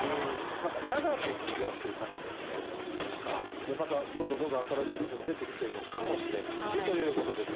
何か長くつきあっていかなきゃいけない病気っていうかまたどんどんどんどん新しい治療も出てきてるのかもしれないしということですが。